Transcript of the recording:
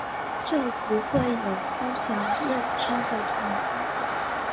就不会有思想认识的统一